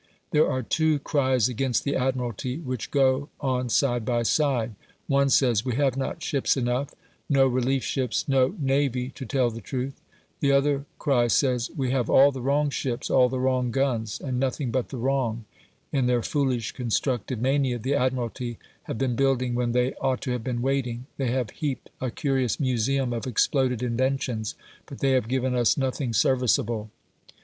There are two cries against the Admiralty which go on side by side: one says, "We have not ships enough, no 'relief' ships, no NAVY, to tell the truth"; the other cry says, "We have all the wrong ships, all the wrong guns, and nothing but the wrong; in their foolish constructive mania the Admiralty have been building when they ought to have been waiting; they have heaped a curious museum of exploded inventions, but they have given us nothing serviceable".